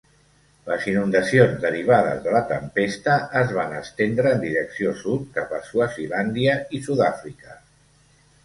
Les inundacions derivades de la tempesta es van estendre en direcció sud cap a Swazilàndia i Sudàfrica.